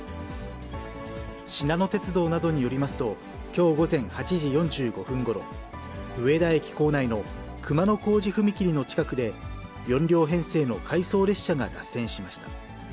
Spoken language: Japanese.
しなの鉄道などによりますと、きょう午前８時４５分ごろ、上田駅構内の熊の小路踏切の近くで、４両編成の回送列車が脱線しました。